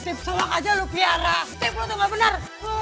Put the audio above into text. tip soak aja lo piara tip lo tuh gak benar